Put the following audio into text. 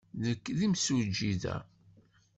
Nekk d imsujji da.